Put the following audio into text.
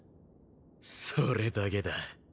それだけだ。